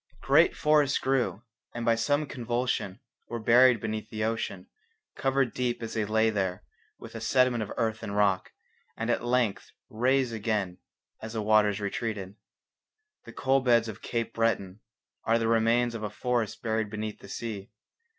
Great forests grew, and by some convulsion were buried beneath the ocean, covered deep as they lay there with a sediment of earth and rock, and at length raised again as the waters retreated. The coal beds of Cape Breton are the remains of a forest buried beneath the sea.